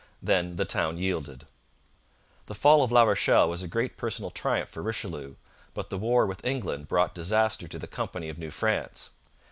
Then the town yielded. The fall of La Rochelle was a great personal triumph for Richelieu, but the war with England brought disaster to the Company of New France.